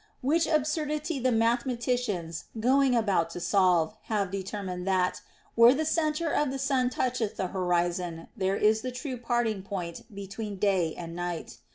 Which absurdity the mathematicians, going about to solve, have determined that, where the centre of the sun toucheth the horizon, there is the true parting point between day and night.